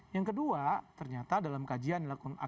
yang kedua ternyata dalam kajian dilakukan